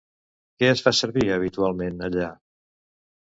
Què es fa servir habitualment allà?